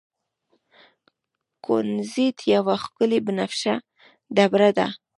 کونزیټ یوه ښکلې بنفشه ډبره ده.